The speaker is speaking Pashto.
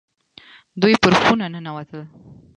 دوی پر خونه ننوتل.